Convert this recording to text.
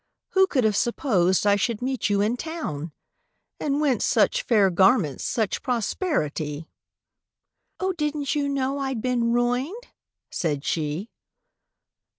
Who could have supposed I should meet you in Town? And whence such fair garments, such prosperi ty?"— "O didn't you know I'd been ruined?" said she.